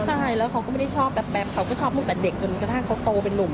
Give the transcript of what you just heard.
ใช่แล้วเขาก็ไม่ได้ชอบแป๊บเขาก็ชอบตั้งแต่เด็กจนกระทั่งเขาโตเป็นนุ่ม